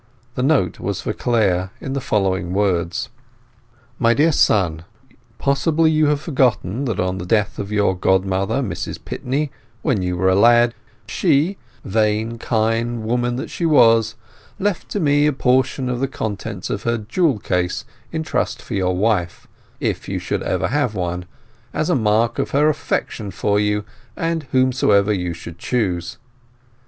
The note was for Clare, in the following words: My dear son,— Possibly you have forgotten that on the death of your godmother, Mrs Pitney, when you were a lad, she—vain, kind woman that she was—left to me a portion of the contents of her jewel case in trust for your wife, if you should ever have one, as a mark of her affection for you and whomsoever you should choose.